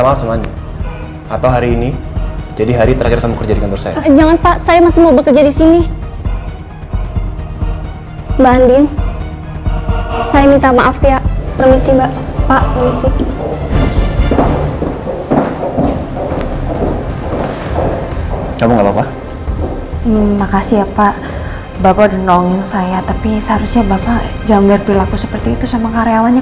makasih ya pak bapak udah nolongin saya tapi seharusnya bapak jangan biar berlaku seperti itu sama karyawannya